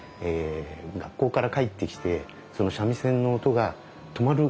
学校から帰ってきてその三味線の音が止まる頃にですね